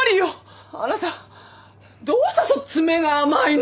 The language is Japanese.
あなたどうしてそう詰めが甘いの。